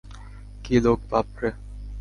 কি লোক বাপরে।